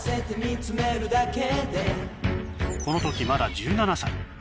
この時まだ１７歳ＣＤ